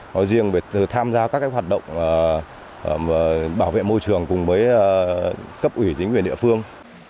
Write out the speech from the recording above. nói riêng về tham gia các hoạt động bảo vệ môi trường cùng với cấp ủy chính quyền địa phương